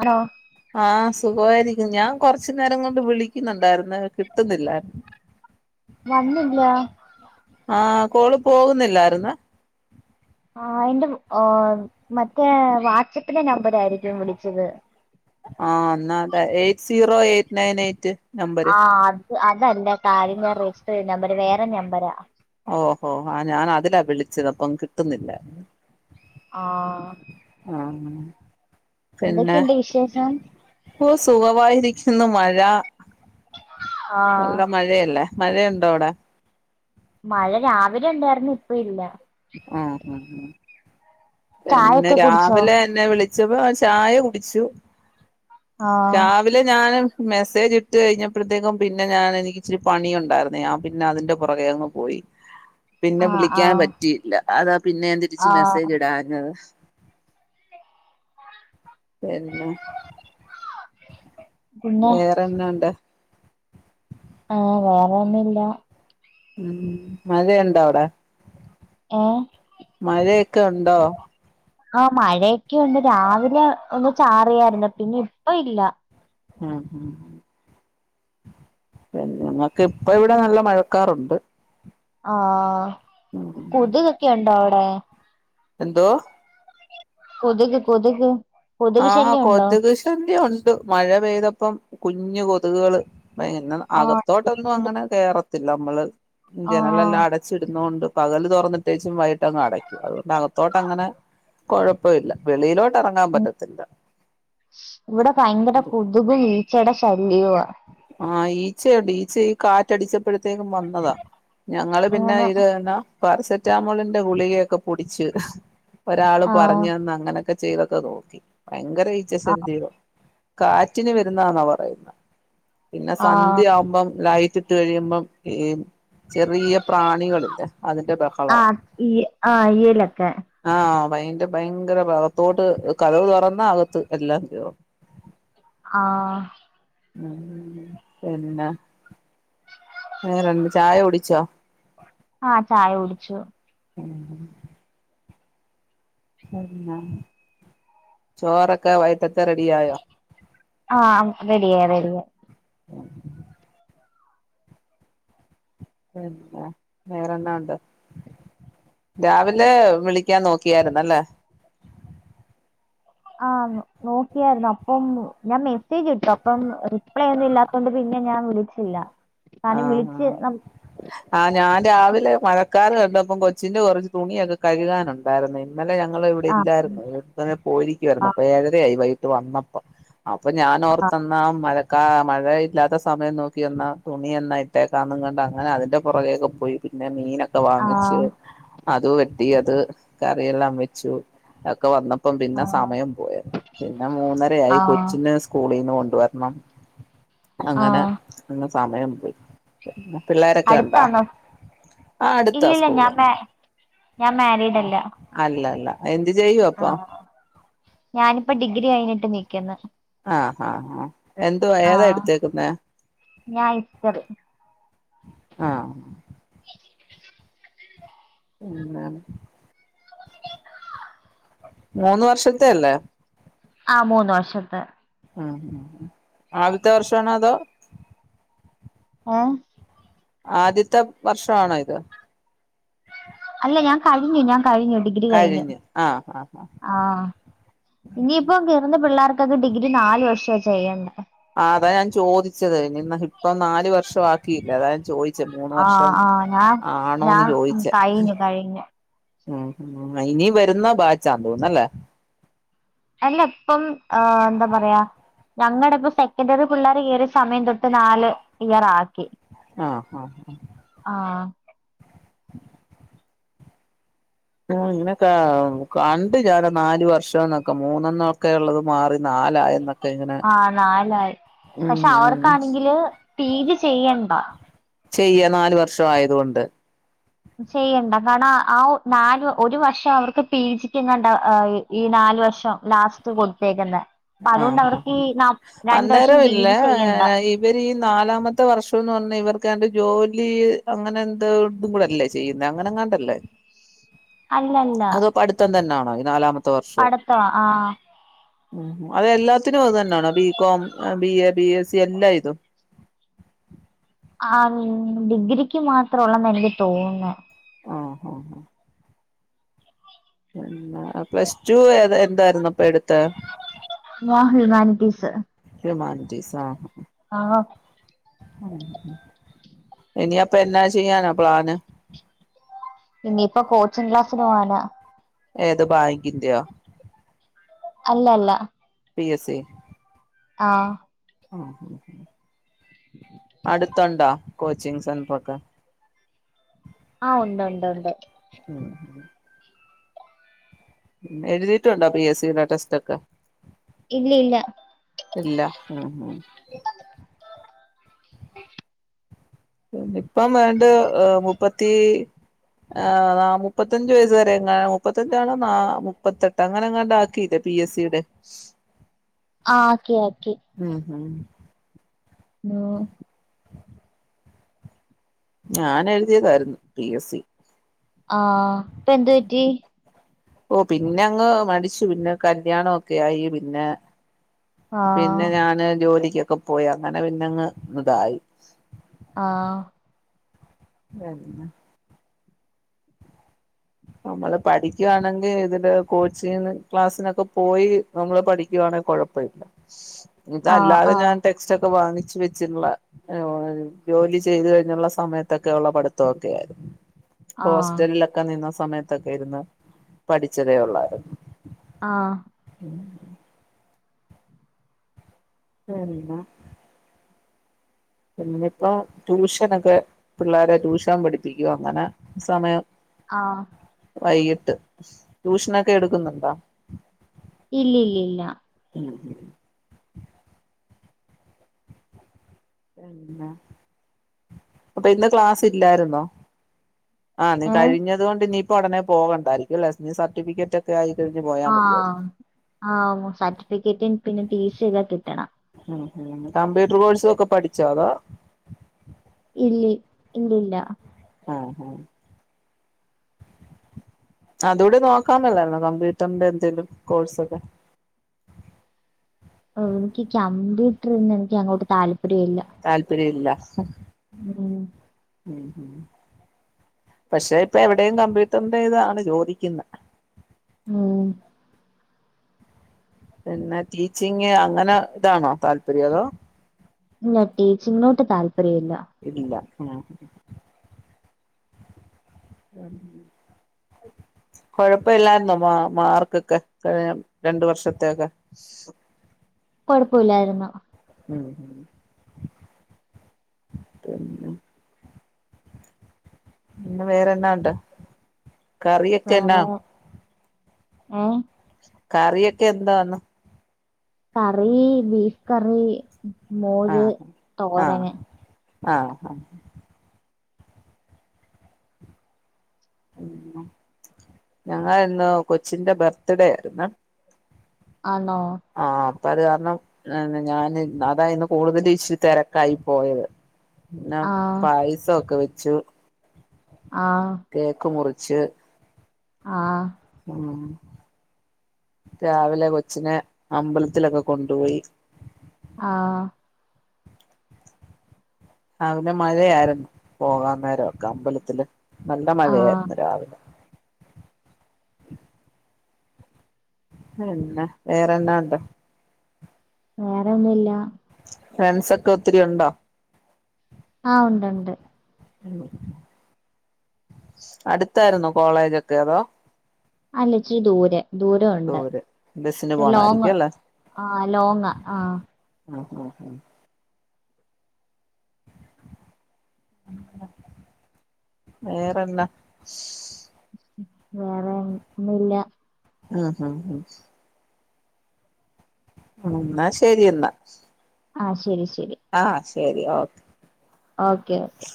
ആണോ ആഹ് സുഖായിരിക്കുന്നു ഞാൻ കൊറച്ചു നേരം കൊണ്ട് വിളിക്കുന്നുണ്ടായിുന്ന കിട്ടുന്നില്ലായിരുന്നു വന്നില്ല ആഹ് കോള്പോകുന്നില്ലായിരുന്നു ആഹ് എന്റെ മറ്റേ വാട്സാപ്പിലെ നമ്പർായിരിക്കും വിളിച്ചത് ആഹ് എന്നാ അതെ എയ്റ്റ്സീറോ എയ്റ്റ് നയനൈയ്റ്റ് നമ്പര് ആ അത് അതല്ല കാര്യം ഞാൻരജിസ്റ്റർ ചെയ്തനമ്പര് വേറെ നമ്പരാ ഓഹ് ഹോ ഞാൻ അതിലാ വിളിച്ചെത് അപ്പം കിട്ടുന്നില്ല. ആഹ് ആഹ് എന്തെക്കെ ഇണ്ട് വിശേഷം? ഓഹ് സുഖവായി നിക്കുന്നു മഴ ആ നല്ല മഴ അല്ലെ? മഴ ഇണ്ടോ അവ്ടെ? മഴ രാവിലെ ഇണ്ടായിരുന്നു ഇപ്പ ഇല്ല. ആഹ് ആഹ് ആഹ് പിന്നെ ചായൊക്കെ കുടിച്ചോ രാവിലെ ന്നെ വിളിച്ചപ്പോ ചായകുടിച്ചു ആ രാ വിലെ ഞാൻ അങ്ങ് മെസ്സേജ് ഇട്ട് കഴിഞ്ഞപ്പൾത്തേക്കും പിന്നെ ഞാൻ എനിക്ക് ഇച്ചിരി പണി ഉണ്ടാർന്നെ പിന്നെ അതിന്റെ പൊറകെ അങ്ങ് പോയി പിന്നെ ആ ആ വിളിക്കാൻ പറ്റിയില്ലാ അതാ പിന്നെ ഞാൻ തിരിച്ച് ആ മെസ്സേജ് ഇടാഞ്ഞെത് പിന്നെ പിന്നെ വെറെ എന്തുണ്ട് ഏഹ് വേറെ ഒന്നും ഇല്ലാ ഉം മഴ ഇണ്ടോ അവ്ടെ? ഏ മഴ ഒക്കെ ഉണ്ടോ? ആഹ് മഴയൊക്കെ ഉണ്ട് രാവിലെ ഒന്ന് ചാറിയായിര്ന്നു പിന്നെ ഇപ്പ ഇല്ലാ. ആഹ് ആഹ് പിന്നെ ഞങ്ങെക്ക് ഇപ്പം ഇവടെ നല്ല മഴക്കാറുണ്ട്. ആഹ് ഉം കൊത്ക് ഒക്കെ ഇണ്ടോ അവ്ടെ എന്തോ? കൊത്ക് കൊത്ക് ആഹ് കൊത്ക് ഇഷ് [unintelligible] ഒണ്ട് മഴ പെയ്തപ്പം കുഞ്ഞ് കൊത്ക് കൾ ഭയങ്കരം ഇന്നാ ആഹ് അകത്തോ ട്ട് ഒന്നും അങ്ങനെ കേറത്തില്ല അമ്മെൾ ആഹ് ജനലെല്ലാം അട ച്ച് ഇട്ന്നോണ്ട് പകെൽ തൊറന്ന് ഇട്ടെച്ചും വൈകിട്ട് അങ്ങ് അടെക്കും അതുകൊണ്ട് അകത്തോട്ട് അങ്ങനെ കൊഴ പ്പം ഇല്ലാ. വെളിയിലോട്ട് അറങ്ങാൻ പറ്റത്ത് ഇവടെ ഭയങ്കര ഒരു കൊത്കും ഈച്ചയുടെ ശല്യവും ആ ആഹ് ഈച്ചയുണ്ട് ഈച്ച ഈ കാറ്റ് അടിച്ചപ്പഴ്ത്തെക്കും വന്നതാ ഞങ്ങൾ പിന്നെ അങ്ങനെ ഇത് എന്നാ പാരസെറ്റാമോളിന്റെ ഗുളികയൊക്കെ പൊടിച്ച് ഒരാൾ ആഹ് പറഞ്ഞ് തന്ന് അങ്ങനെ ഒക്കെ ചെയ്തൊക്കെ നോക്കി ഭയങ്കര ഈച്ച ആഹ് ശല്യവാ കാറ്റിന് വരുന്നാന്നാ പറയുന്നെ പിന്നെ ആഹ് സന്ധ്യ ആവുമ്പം ലൈറ്റ് ഇട്ട് കഴിയുമ്പം ഈ ചെറിയ പ്രാണികൾ ഇല്ലെ അതിന്റെ ബഹ ആഹ് ഈ ആഹ് ഈയ്യെൽ ഒക്കെ ആഹ് വൈകീട്ട് ഭയങ്കര ബഹളം അകത്തോട്ട് കതക് തൊറന്നാ അകത്ത് എല്ലാം കേറും ആഹ് [inaudible] പിന്നെ വെറെ എന്ത്‌ ചായ കുടിച്ചോ? ആഹ് ചായ കുടിച്ചു. പിന്നെ ചോറൊക്കെ വൈട്ടെത്തെ റെഡി ആയോ? ആഹ് റെഡിയാ റെഡിയാ പിന്നെ വെറെന്നാ ഉണ്ട്? രാവിലെ വിളിക്കാൻ നോക്കിയാര്ന്ന്‌ അല്ലെ ആഹ് നോ നോക്കിയായിരുന്നു അപ്പം ഞാൻ മെസ്സേജ് ഇട്ടു അപ്പം റിപ്ലൈ ഒന്നും ഇല്ലാത്തൊണ്ട് പിന്നെ ഞാൻ വിളി ച്ചില്ല കാര്ണം ആഹ് വിളിച്ച് ആഹ് ന ആഹ് ഞാൻ രാവിലെ മഴക്കാറ് കണ്ടപ്പം കൊച്ചിന്റെ കൊറച്ച് തുണിയൊക്കെ കഴുകാനുണ്ട്. വേറെന്തായിരുന്നു ഇന്നലെ ഞങ്ങൾ ഇവിടെ ആഹ് ഇല്ലായിരുന്നു ഒരിടം വരെ പോയിരിക്കയിരുന്നു ആഹ് അപ്പൊ ഏഴരയായി വൈകിട്ട് വന്നപ്പോ അപ്പൊ ഞാനോർത്തന്നാ മഴക്കാ മഴയില്ലാത്ത സമയം നോക്കി വന്നാ തുണി എന്നായിട്ടേക്കാന്ന കണ്ട് അങ്ങനെ അതിന്റെ പുറകേക്കൊക്കെ പോയി പിന്നെ മീനൊക്കെ വാങ്ങിച്ച് ആഹ് അത് വെട്ടി അത് കറിയെല്ലാം വെച്ചു അതൊക്കെ വന്നപ്പോ ഇപ്പം പിന്നെ ആഹ് സമയം പോയിരുന്നു പിന്നെ മൂന്നര ആയി ആഹ് കൊച്ചിന് സ്കൂൾന്നു സ്കൂളിന്ന് കൊണ്ടുവരണം അങ്ങനെ ആഹ് അങ്ങ് സമയം പോയി പിള്ളോരൊക്കെ ഉണ്ടോ അടുത്താണോ ആ അടുത്താ ഇല്ലില്ല സ്കൂള് ഞാൻ മാ ഞാൻ മാരീഡല്ല അല്ലല്ല എന്ത്‌ ചെയ്യൂവാ അപ്പൊ ഞാനിപ്പ ഡിഗ്രി കയിഞ്ഞിട്ട് നിക്കുന്നു ആ ആ ആ എന്തുവാ ഏതാ എടുത്തേക്കുന്നെ ഞാൻ ഹിസ്റ്ററി ആഹ് പിന്നെ മൂന്ന് വർഷത്തെയല്ലേ ആ മൂന്ന് വർഷത്തെ ഉം ആദ്യത്തെ വർഷാണോ അതോ ആഹ് ആദ്യത്തെ വർഷമാണോ ഇത് അല്ല ഞാൻ കഴിഞ്ഞു ഞാൻ കഴിഞ്ഞു ഡിഗ്രി കഴിഞ്ഞ് ആ ആ ആ ആ ഇനിയിപ്പ കേറ്ന്ന പിള്ളേർക്കൊക്കെ ഡിഗ്രി നാല് വർഷ ചെയ്യണ്ടേ ആ അതാ ഞാൻ ചോദിച്ചത് നിന്ന് ഇപ്പം നാല് വർഷം ആക്കിയില്ലേ അതാ ഞാൻ ചോദി മൂന്ന് ആഹ് വർഷം ആഹ് ഞാൻ ആണോന്ന് ഞാൻ ചോയിച്ചേ കഴിഞ്ഞു കഴിഞ്ഞു ഉ ഇനി വരുന്ന ബാച്ച തോന്നുന്നല്ലേ അല്ല ഇപ്പം ആ എന്താ പറയാ ഞങ്ങളുടെ ഇപ്പ സെക്കൻഡിയറ് പിള്ളേർ കയറിയ സമയം തൊട്ട് നാല് ഇയർ ആക്കി ആഹ് ആഹ് ആഹ് [inaudible] ആ ഇങ്ങനെക്കെ കണ്ട് ചാലം നാല് വർഷം എന്നൊക്കെ മൂന്നന്നൊക്കെ ഉള്ളത് മാറി നാലായ എന്നൊക്കെ ആഹ് നാലായി പക്ഷെ ഉം അവർക്കാണെങ്കില് പി ജി ചെയ്യണ്ട ചെയ്യ നാല് വർഷ ആയതുകൊണ്ട് ചെയ്യണ്ട കാരണം ആ നാ ഒരു വർഷം അവർക്ക് പി ജിക്ക്ങ്ങണ്ട ഈ നാല് വർഷം ലാസ്റ്റ് കൊടുത്തേക്കുന്ന ആഹ് ആഹ് വർഷം അന്നേരം പി ജി ഇല്ലേ ചെയ്യണ്ട ഈ ഇവര് ഈ നാലാമത്തെ വർഷംന്ന് പറഞ്ഞാ ഇവർക്ക്ന്റെ ജോലി അങ്ങനെ എന്ത ഇും കൂടെല്ലേ ചെയ്യുന്ന അങ്ങനെങ്ങാണ്ടല്ലേ [inaudible] അല്ലല്ല അതോ പഠിത്തം തന്നൊണോ ഈ നാലാമത്തെ അടത്ത ആഹ് ഉ അതെല്ലാത്തിനും അത് തന്നെയാണോ B com B A B S C എല്ലാം ഇതും ആഹ് ഡിഗ്രിക്ക് മാത്രംള്ളെന്ന് എനിക്ക് തോന്നുന്നു ആഹ് ആഹ് ആഹ് പി പ്ലസ് ടു ഏ എന്തായിുന്നപ്പൊ എടുത്ത മഹുൽമാാനിക്കീസ് ഹമാൻജീസ് ആഹ് ആഹ് ഇനി അപ്പൊ എന്നാ ചെയാണ് പലാന ഇനിയിപ്പോ കോച്ചിങ് ക്ലാസ്സിന് പോവാനാ ഏതോ ബാങ്കന്ത്യോ അല്ല അല്ല പി എസ് ഇ ആഹ് ആഹ് അടുത്തുണ്ടോ കോച്ചിങ് സെന്റർ ഒക്കെ ആഹ് ഉണ്ട് ഉണ്ട് ഉണ്ട് ഉം എഴുതിട്ടുണ്ടോ പി എസ് സുടെ ടെസ്റ്റ് ഒക്കെ ഇല്ല ഇല്ല ഇല്ല ഉം ഉം [unintelligible] അഎം ഇപ്പം വണ്ട് മുപ്പത്തി ആ മുപ്പത്തഞ്ചച് വയസ് വരെങ്ങ മുപ്പത്തഞ്ചാണോ ന മുപ്പത്തെട്ട് അങ്ങനെ അങ്ങാണ്ട ആക്കിയില്ലേ പി എസ് സിയുടെ ഇച് ആഹ് ആക്കി ആക്കി ഉം ഉം ആഹ് ഞാൻ എഴുതിയതായിരുന്നു പി എസ് സി ആഹ് ഇപ്പ എന്തു പറ്റി ഓഹ് പിന്നെ അങ്ങ് മടിച്ചു പിന്നെ കല്യാണ ഒക്കെ ആയി പിന്നെ ആഹ് പിന്നെ ഞാന് ജോലിക്കൊക്കെ പോയി അങ്ങനെ പിന്നെങ് ഇതായി ആഹ് അതന്ന നമ്മള് പഠിക്കുവാണെങ്കി ഇതിന്റെ കോച്ചിങ് ക്ലാസ്സിനൊക്കെ പോയി നമ്മള് പഠിക്കവാണെ കുഴപ്പമില്ല ആഹ് ഇതല്ലാതെ ആഹ് ഞാൻടെ ഉച്ചക്ക് വാങ്ങിച്ച് വെച്ചിട്ടുള്ള ജോലി ചെയ്തു കഴിഞ്ഞുള്ള സമയത്തൊക്കെ ഉള്ള പഠിത്തക്കെ ആയിരുന്നു ആഹ് ഹോസ്റ്റലിലൊക്കെ നിന്ന സമയത്തൊക്കെ ഇരുന്ന് പഠിച്ചതേ ഉള്ളയിരുനു ആഹ് ഉം എന്താ പിന്നെപ്പോ ട്യൂഷനൊക്കെ പിള്ളേരെ ട്യൂഷൻ പഠിപ്പിക്കുവ അങ്ങനെ സമയം. ആഹ് വൈകിട്ട് ട്യൂഷനൊക്കെ എടുക്കുന്നുണ്ടോ ഇല്ല ഇല്ല ഇല്ല ഉം എ അപ്പൊ ഇന്ന് ക്ലാസ് ഇല്ലായിരുന്നോ? ആഹ് നീ ഏഹ് കഴിഞ്ഞത്കൊണ്ട് നീ ഇപ്പോ ഉടനെ പോവണ്ടായിരിക്ക ലൊ നീ സർട്ടിഫിക്കറ്റ് ഒക്കെ ആയിഴിഞ് പോ ആഹ് ആ സർട്ടിഫിക്കറ്റ് പിന്നെ ടി സി എല്ലാം കിട്ടണം. ഉം കമ്പ്യൂട്ടർ കോഴ്സ ഒക്കെ പഠിച്ചോ അതോ ഇല്ല ഇല്ലില്ല ആഹ് ആഹ് അതുകൂടെ നോക്കാന്നല്ലായിന്നോ കമ്പ്യൂട്ടറിന്റെ എന്തേങ്കിലും കോഴ്സ് ഒക്കെ ഓ എനിക്ക് കമ്പ്യൂട്ടറിൽന്ന് എനിക്ക് അങ്ങോട്ട് താല്പര്യം ഇല്ല. താല്പര്യല്ല ഉം ഉം ഉം പക്ഷെ ഇപ്പ എവിടെയും കമ്പ്യൂട്ടറിന്റെ ഇതാണ് ചോദിക്കുന്ന്. ഉം പിന്നെ ടീച്ചിങ് അങ്ങനെ ഇതാണോ താല്പര്യം അതോ? പിന്നെ ടിച്ചിങ്ങോട്ട് താല്പര്യം ഇല്ല. ഇല്ല ഉം ആഹ് കൊഴപ്പമില്ലര്ന്നോ മാ മാർക്കൊക്കെ കഴിഞ്ഞ രണ്ട് വർഷത്തൊക്കെ [inaudible] കുഴപ്പമില്ലായിരുന്നു. ഉം ഉം പിന്നെ പിന്നെ വേറെന്നാ ഉണ്ട്. കറിയൊക്കെ എന്നാ വേറെ ഏഹ കറിയൊക്കെ എന്താന്ന് കറി ബീഫ് കറി മോര് ആഹ് ആഹ് തോരന് ആഹ് ഞങ്ങ ഇന്ന് കൊച്ചിന്റെ ബർത്ത്ഡേ ആയിരിന്ന്. ആണോ? ആഹ് അപ്പ അത് കാരണം. ആ ഞാൻ അതായിന്ന് കൂടുതൽ ഇഷ് തിരക്കായി പോയത്. എന്നാ ആഹ് പായസമൊക്കെ വെച്ചു ആഹ് കേക്ക് മുറിച്ച് ആഹ് ഉ രാവിലെ കൊച്ചിനെ അമ്പലത്തിലൊക്കെ കൊണ്ടുപോയി. ആഹ് രാവിലെ മഴയായിരുന്നു പോകാ നേരംക്കെ അമ്പലത്തില് നല്ല ആഹ് മഴയായിരുന്നു. രാവിലെ ന്നെ വേറെന്താ ഉണ്ട്. വേറെ ഒന്നുഇല്ല. ഫ്രണ്ട്സ ഒക്കെ ഒത്തിരി ഉണ്ടോ ആ ഉണ്ട് ഉണ്ട് ഉം അടുത്തായിരുന്നൊ കോളേജൊക്കെ അതോ അല്ലച്ചി ദൂരെ ദൂര ഒണ്ട് ദൂരെ ബസിന് ചി ലോങ് പോണായിരിക്കും അല്ലേ ആ ലോങ് ആ മ് മ് മ് വേറെന്ന വേറെ ഒന്നുംല്ല ആ ഹാ ഉം മ് ന്നാ ശരി എന്ന ആ ശരി ശരി ആ ശരി ഓക്കെ ഓക്കെ ഓക്കെ